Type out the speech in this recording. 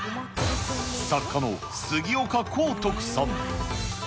作家の杉岡幸徳さん。